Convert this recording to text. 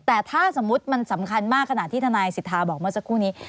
แต่ถ้าสมมุติมันสำคัญมากขนาดที่ทนายสิทธาบอกเมื่อสักครู่นี้